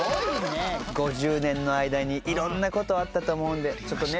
５０年の間にいろんなことあったと思うんでちょっとね